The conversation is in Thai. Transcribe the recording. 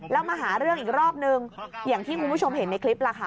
แล้วมาหาเรื่องอีกรอบนึงอย่างที่คุณผู้ชมเห็นในคลิปล่ะค่ะ